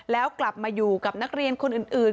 แล้วกลับมาอยู่กับนักเรียนคนอื่น